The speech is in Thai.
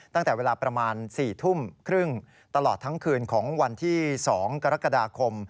ตั้งแต่เวลาประมาณ๔ทุ่มครึ่งตลอดทั้งคืนของวันที่๒กรกฎาคม